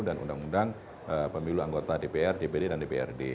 dan undang undang pemilu anggota dpr dpd dan dprd